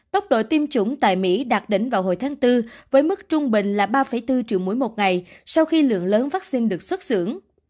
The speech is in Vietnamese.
tốc độ tiêm chủng tại mỹ đạt đỉnh vào hồi tháng bốn với mức trung bình là ba bốn triệu mũi một ngày sau khi lượng lớn vaccine được xuất xưởng